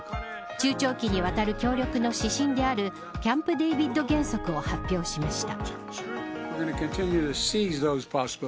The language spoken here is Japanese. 中長期にわたる協力の指針であるキャンプデービッド原則を発表しました。